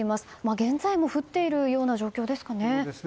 現在も降っているような状況ですかね。